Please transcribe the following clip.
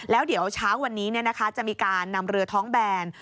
แล้วเดี๋ยวเช้าวันนี้จะมีการนำเรือท้องแบน